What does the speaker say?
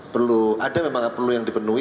perlu ada memang perlu yang dipenuhi